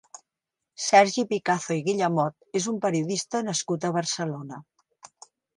Sergi Picazo i Guillamot és un periodista nascut a Barcelona.